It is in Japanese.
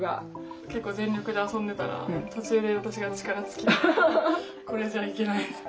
結構全力で遊んでたら途中で私が力尽きてこれじゃあいけない。